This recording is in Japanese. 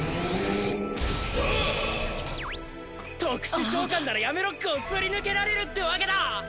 特殊召喚ならヤメロックをすり抜けられるってわけだ！